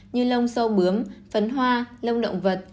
như lông sâu bướm phấn hoa lông động vật